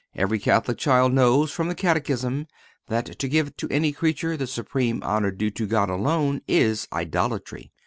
Every Catholic child knows from the catechism that to give to any creature the supreme honor due to God alone is idolatry.